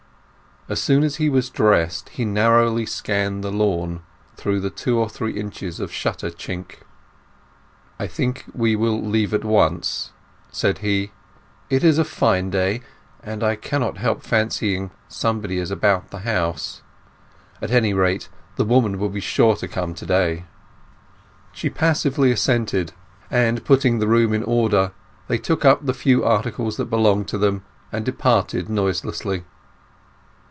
As soon as he was dressed he narrowly scanned the lawn through the two or three inches of shutter chink. "I think we will leave at once," said he. "It is a fine day. And I cannot help fancying somebody is about the house. At any rate, the woman will be sure to come to day." She passively assented, and putting the room in order, they took up the few articles that belonged to them, and departed noiselessly.